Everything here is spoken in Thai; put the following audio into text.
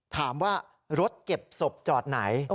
ถามว่ารถเก็บศพจอดไหน